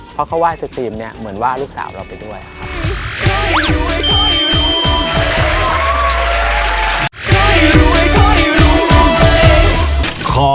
เพราะเขาไห้สตรีมเนี่ยเหมือนว่าลูกสาวเราไปด้วยครับ